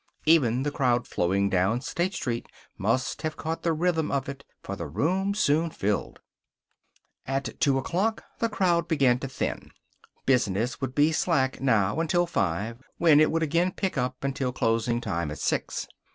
Even the crowd flowing down State Street must have caught the rhythm of it, for the room soon filled. At two o'clock the crowd began to thin. Business would be slack, now, until five, when it would again pick up until closing time at six.